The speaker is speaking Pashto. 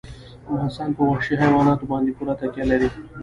افغانستان په وحشي حیواناتو باندې پوره تکیه لري.